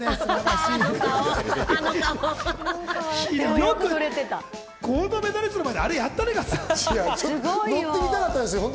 よくゴールドメダリストの前であれをやったね。